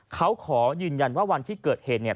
เขาขอยืนยันว่าวันที่เกิดเหตุเนี่ย